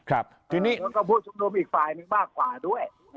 ทีนี้ก็ผู้ชุมนุมอีกฝ่ายหนึ่งมากกว่าด้วย